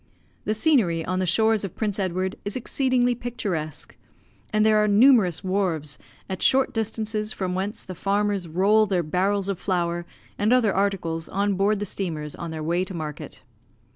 The scenery on the shores of Prince Edward is exceedingly picturesque, and there are numerous wharfs at short distances, from whence the farmers roll their barrels of flour and other articles on board the steamers on their way to market.